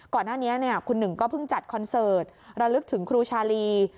ก่อนหน้านี้คุณหนึ่งก็เพิ่งจัดคอนเสิร์ตระลึกถึงครูชาลี